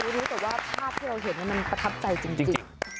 รู้แต่ว่าภาพที่เราเห็นมันประทับใจจริง